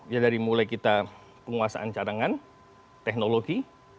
ya dari mulai kita penguasaan cadangan teknologi